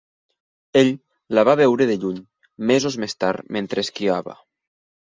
Ell la va veure de lluny mesos més tard mentre esquiava.